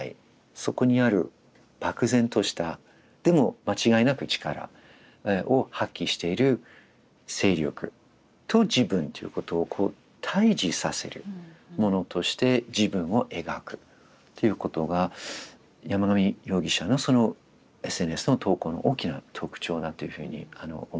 そこにある漠然としたでも間違いなく力を発揮している勢力と自分ということを対じさせるものとして自分を描くっていうことが山上容疑者のそのＳＮＳの投稿の大きな特徴だというふうに思いました。